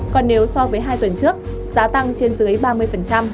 còn nếu so với hai tuần trước giá tăng trên dưới ba mươi